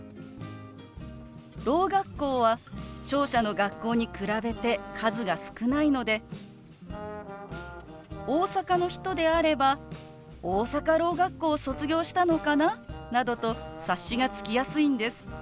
ろう学校は聴者の学校に比べて数が少ないので大阪の人であれば大阪ろう学校を卒業したのかななどと察しがつきやすいんです。